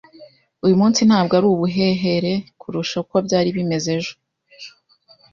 Uyu munsi ntabwo ari ubuhehere kurusha uko byari bimeze ejo.